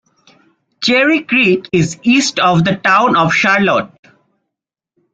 Cherry Creek is east of the town of Charlotte.